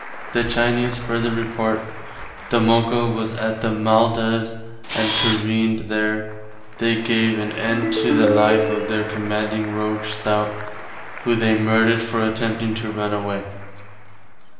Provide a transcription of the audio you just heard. The Chinese further report ... the Mocco was at the Maldives and creaned [careened]; there they gave an end to the life of their commanding rogue Stout, who they murdered for attempting to run away.